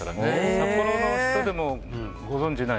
札幌の人でもご存じない。